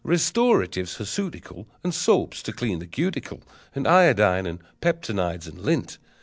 Restoratives hirsutical, And soaps to clean the cuticle, And iodine, and peptonoids, and lint.